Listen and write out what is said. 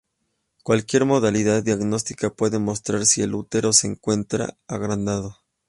Cualquier modalidad diagnóstica puede mostrar si el útero se encuentra agrandado.